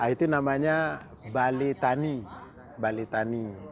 itu namanya bale tani